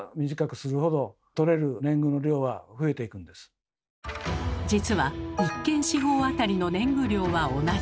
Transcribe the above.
実は実は１間四方あたりの年貢量は同じ。